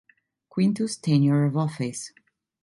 Quintus's tenure of office.